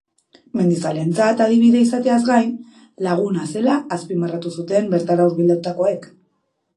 Mendizaleentzat adibide izateaz gain, laguna zela azpimarratu zuten bertara hurbildutakoek.